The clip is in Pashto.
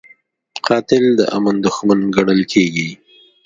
قاتل د امن دښمن ګڼل کېږي